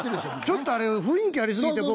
ちょっとあれ雰囲気ありすぎて僕。